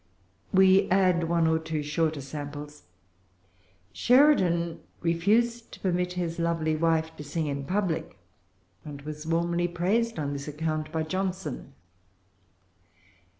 We add one or two shorter samples. Sheridan refused to permit his lovely wife to sing in public, and was warmly praised on this account by Johnson.